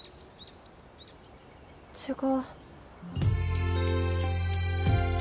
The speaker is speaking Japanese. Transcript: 違う。